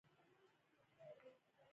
زه ادب او تربیه خوښوم.